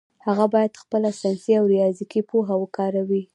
هغه باید خپله ساینسي او ریاضیکي پوهه وکاروي.